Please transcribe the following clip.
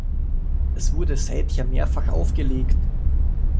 Es wurde seither mehrfach aufgelegt.